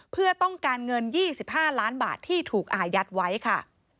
เพื่อต้องการเงิน๒๕ล้านบาทที่ถูกอายัดไว้ค่ะ